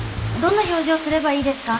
どんな表情すればいいですか？